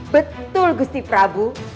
betul gusti prabu